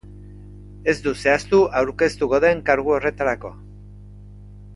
Ez du zehaztu aurkeztuko den kargu horretarako.